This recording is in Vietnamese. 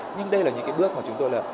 nhưng đây là những cái bước mà chúng tôi lập